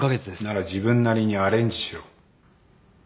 なら自分なりにアレンジしろ。